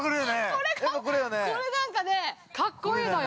◆これなんかね、格好いいのよ。